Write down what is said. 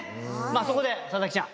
そこで笹木ちゃん。